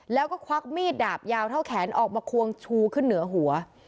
แล้วก็ควักมีดดาบยาวเท่าแขนออกมาควงชูขึ้นเหนือหัว